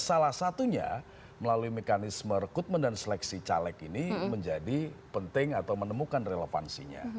salah satunya melalui mekanisme rekrutmen dan seleksi caleg ini menjadi penting atau menemukan relevansinya